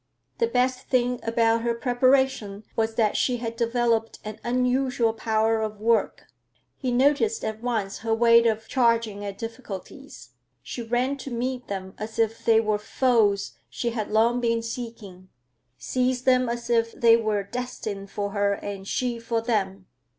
The best thing about her preparation was that she had developed an unusual power of work. He noticed at once her way of charging at difficulties. She ran to meet them as if they were foes she had long been seeking, seized them as if they were destined for her and she for them.